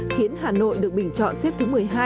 khiến hà nội được bình chọn xếp thứ một mươi hai